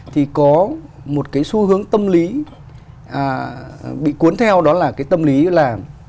thì có một cái xu hướng tâm lý bị cuốn theo đó là cái tâm lý là